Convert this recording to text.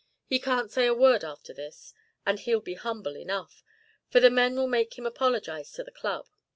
He can't say a word after this, and he'll be humble enough, for the men will make him apologise to the Club.